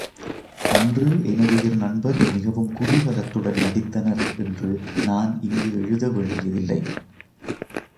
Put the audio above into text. அன்று எனதுயிர் நண்பர் மிகவும் குதூகலத்துடன் நடித்தனர் என்று நான் இங்கு எழுத வேண்டியதில்லை.